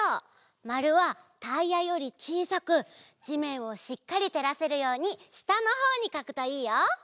まるはタイヤよりちいさくじめんをしっかりてらせるようにしたのほうにかくといいよ。